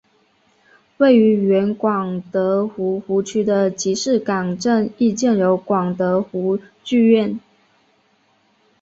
位于原广德湖湖区的集士港镇亦建有广德湖剧院。